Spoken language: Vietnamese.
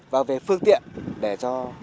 và về phương tiện để cho